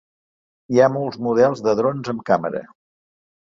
Hi ha molts models de drons amb càmera.